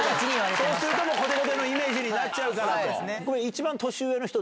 そうすると、もうこてこてのイメージになっちゃうからと。